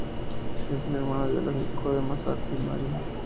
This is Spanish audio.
Él es hermano biológico de Masako y Mario.